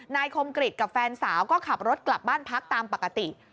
คมกริจกับแฟนสาวก็ขับรถกลับบ้านพักตามปกติ